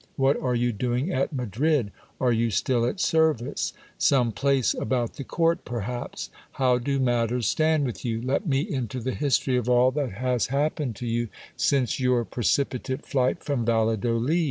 What are you doing at Madrid ? Are you still at service ? Some place about the court perhaps ? How do matters stand with you ? Let me into the history of all that has happened to you since your precipitate flight from Valladolid.